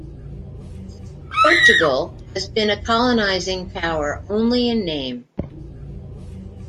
Portugal has been a colonising power only in name.